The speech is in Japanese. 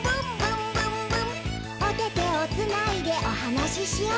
「おててをつないでおはなししよう」